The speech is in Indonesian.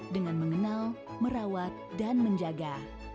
dengan mengenal merawat dan menjaga